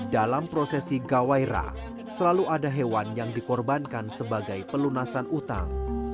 dalam prosesi gawairah selalu ada hewan yang dikorbankan sebagai pelunasan utang